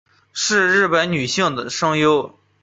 是日本的女性声优。